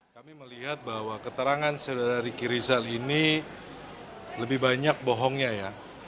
kami melihat bahwa keterangan saudara riki rizal ini lebih banyak bohongnya ya